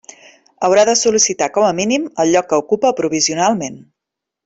Haurà de sol·licitar com a mínim, el lloc que ocupa provisionalment.